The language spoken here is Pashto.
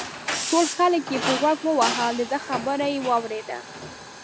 ټول خلک یې په غوږ ووهل دده خبره یې واورېده.